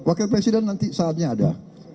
wakil presiden nanti saatnya ada